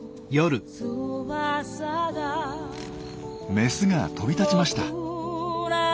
メスが飛び立ちました。